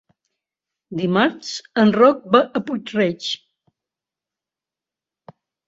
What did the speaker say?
Dimarts en Roc va a Puig-reig.